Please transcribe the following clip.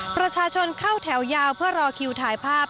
ประชาชนเข้าแถวยาวเพื่อรอคิวถ่ายภาพ